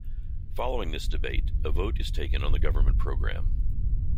Following this debate, a vote is taken on the Government Programme.